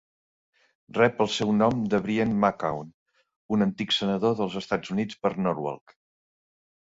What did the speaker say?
Rep el seu nom de Brien McMahon, un antic senador dels Estats Units per Norwalk.